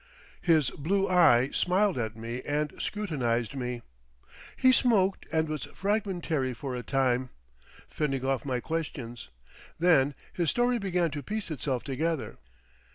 His blue eye smiled at me and scrutinised me. He smoked and was fragmentary for a time, fending off my questions; then his story began to piece itself together.